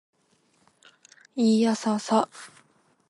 いーやーさーさ